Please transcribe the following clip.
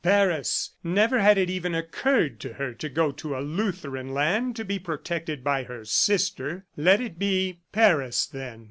"Paris!" ... Never had it even occurred to her to go to a Lutheran land to be protected by her sister. "Let it be Paris, then!"